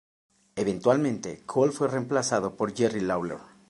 Eventualmente Cole fue reemplazado por Jerry Lawler.